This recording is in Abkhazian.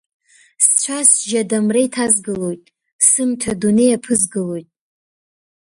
Сцәа-сжьы адамра иҭазгалоит, Сымҭа адунеи иаԥызгалоит…